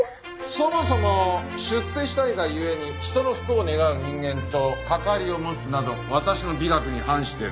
そもそも出世したいが故に人の不幸を願う人間と関わりを持つなど私の美学に反してる。